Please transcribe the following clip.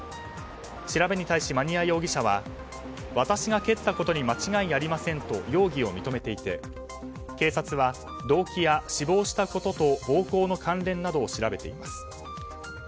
調べに対し、摩庭容疑者は私が蹴ったことに間違いありませんと容疑を認めていて警察は、動機や死亡したことと暴行の関連などを調べています。